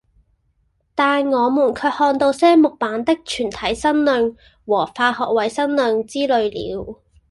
但我們卻看到些木版的《全體新論》和《化學衛生論》之類了。